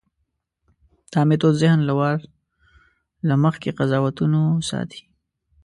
دا میتود ذهن له وار له مخکې قضاوتونو ساتي.